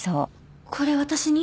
これ私に？